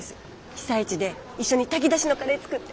被災地で一緒に炊き出しのカレー作って。